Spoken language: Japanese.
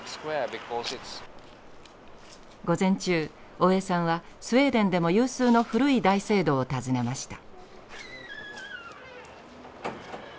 午前中大江さんはスウェーデンでも有数の古い大聖堂を訪ねました。